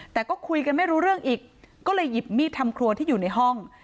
แต่ก็คุยกันไม่รู้เรื่องอีกก็เลยหยิบมีดทำครัวที่อยู่ในห้อง